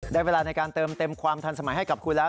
เวลาในการเติมเต็มความทันสมัยให้กับคุณแล้ว